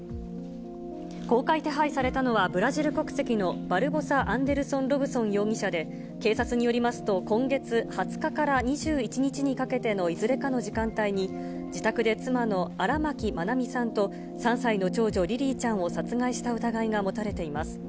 公開手配されたのは、ブラジル国籍のバルボサ・アンデルソン・ロブソン容疑者で、警察によりますと、今月２０日から２１日にかけてのいずれかの時間帯に、自宅で妻の荒牧愛美さんと３歳の長女、リリィちゃんを殺害した疑いが持たれています。